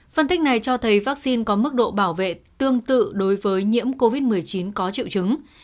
phân tích này cho thấy vaccine có mức độ bảo vệ tương tự đối với nhiễm covid một mươi chín có triệu chứng